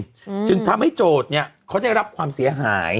อืมจึงทำให้โจทย์เนี้ยเขาได้รับความเสียหาย